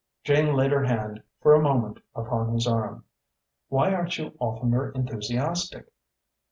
Jane laid her hand for a moment upon his arm. "Why aren't you oftener enthusiastic?"